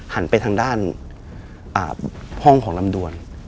หันไปทางด้านห้องของลำดวน